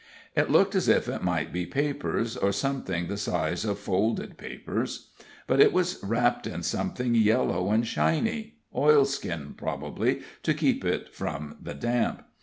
It looked as if it might be papers, or something the size of folded papers; but it was wrapped in something yellow and shiny oil skin, probably, to keep it from the damp.